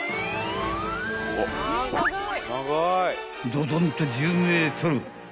［ドドンと１０ｍ］